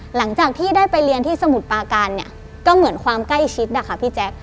หลังจากที่ได้ไปเรียนที่สมุทรปาการเนี่ยก็เหมือนความใกล้ชิดนะคะพี่แจ๊ค